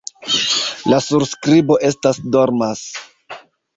La surskribo estas: "dormas".